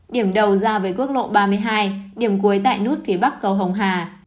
điểm đầu ra với quốc lộ ba mươi hai điểm cuối tại nút phía bắc cầu hồng hà